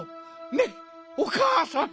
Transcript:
ねっおかあさん！